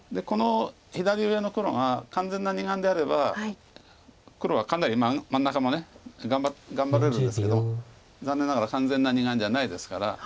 この左上の黒が完全な２眼であれば黒はかなり真ん中も頑張れるんですけど残念ながら完全な２眼じゃないですから。